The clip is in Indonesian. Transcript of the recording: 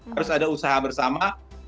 harus ada usaha bersama